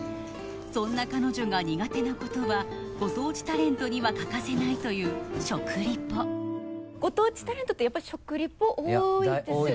そんな彼女が苦手なことはご当地タレントには欠かせないという食リポご当地タレントってやっぱり食リポ多いですよね？